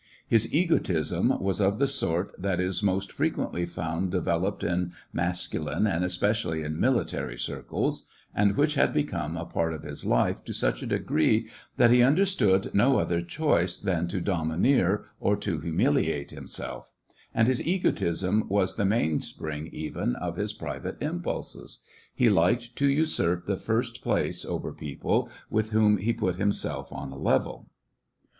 His egotism was of the sort that is most frequently found developed in masculine and es pecially in military circles, and which had become SEVASTOPOL IN AUGUST. 129 a part of his life to such a degree that he under stood no other choice than to domineer or to humiliate himself ; and his egotism was the main spring even of his private impulses ; he liked to usurp the first place over people with whom he put himself on a level.